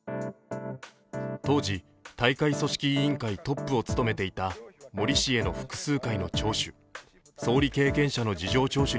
当時、大会組織委員会トップを務めていた森氏への複数回の聴取。